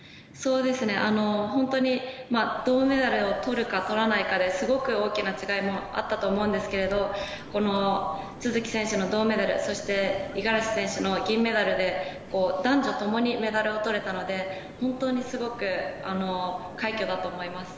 本当に銅メダルを取るか取らないかですごく大きな違いもあったと思うんですけど都筑選手の銅メダルそして五十嵐選手の銀メダルで男女ともにメダルを取れたのですごく快挙だと思います。